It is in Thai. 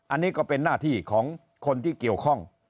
อันนี้ก็เป็นหน้าที่ของคนที่เกี่ยวข้อง